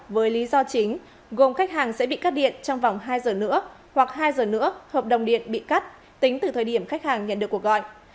với lý do chính gồm khách hàng sẽ bị cắt điện trong vòng hai giờ nữa hoặc hai giờ nữa hợp đồng điện bị cắt tính từ thời điểm khách hàng nhận được cuộc gọi